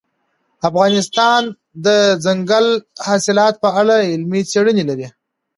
افغانستان د دځنګل حاصلات په اړه علمي څېړنې لري.